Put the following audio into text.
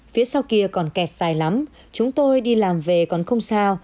phía sau kia còn kẹt dài lắm chúng tôi đi làm về còn không sao